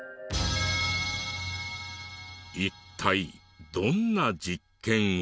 一体どんな実験を。